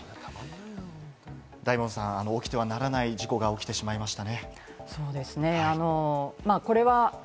大門さん、起きてはならない事故が起きてしまいましたね。